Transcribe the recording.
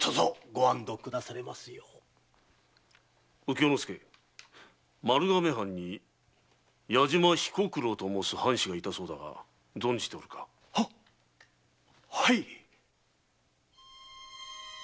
右京亮丸亀藩に矢島彦九郎と申す藩士が居たそうだが存じておるか。は⁉はい。